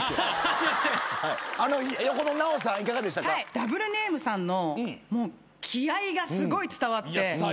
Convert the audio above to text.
ダブルネームさんの気合がすごい伝わって。